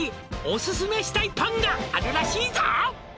「オススメしたいパンがあるらしいぞ」